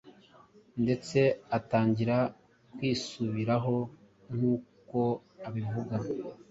ndetse atangira kwisubiraho nk'uko abivuga